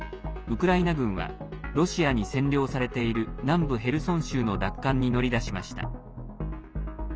ウクライナ軍はロシアに占領されている南部ヘルソン州の奪還に乗り出しました。